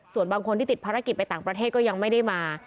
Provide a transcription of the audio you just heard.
ส่วนบางคนที่ติดภารกิจไปต่างประเทศก็ยังไม่ได้มา